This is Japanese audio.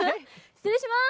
失礼します。